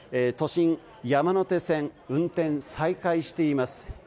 都心、山手線は運転再開しています。